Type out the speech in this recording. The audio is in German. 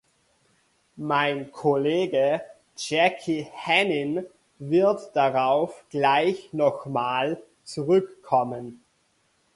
Mein Kollege Jacky Henin wird darauf gleich noch einmal zurückkommen.